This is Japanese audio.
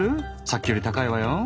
さっきより高いわよ。